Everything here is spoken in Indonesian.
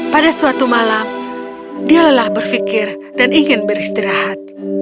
pada suatu malam dia lelah berfikir dan ingin beristirahat